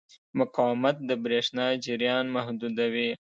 مقاومت د برېښنا جریان محدودوي.